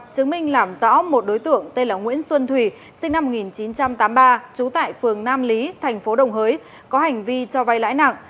chứng minh làm rõ một đối tượng tên là nguyễn xuân thủy sinh năm một nghìn chín trăm tám mươi ba trú tại phường nam lý thành phố đồng hới có hành vi cho vay lãi nặng